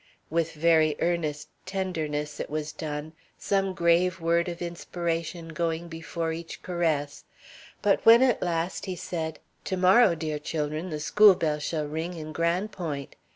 With very earnest tenderness it was done, some grave word of inspiration going before each caress; but when at last he said, "To morrow, dear chil'run, the school bell shall ring in Gran' Point'!"